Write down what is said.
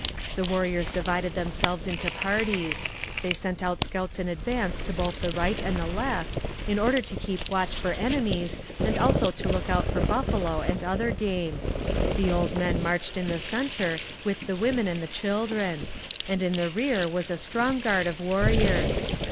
The warriors divided themselves into parties; they sent out scouts in advance to both the right and the left, in order to keep watch for enemies and also to look out for buffalo and other game; the old men marched in the centre with the women and the children; and in the rear was a strong guard of warriors.